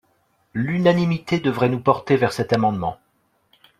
L’unanimité devrait nous porter vers cet amendement